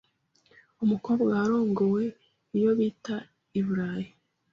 umukobwa warongowe iyo bita i Burayi.